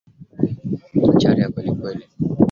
machachari kweli kweli hapa duniani yenye nguvu za kiuchumi